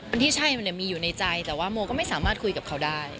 มันที่ใช่มันมีอยู่ในใจแต่ว่าโมก็ไม่สามารถคุยกับเขาได้